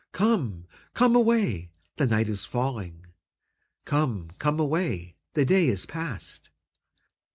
Come, come away, the night is falling; 'Come, come away, the day is past.'